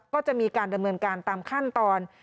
ก็จะมีการดำเนินการตามขั้นตอน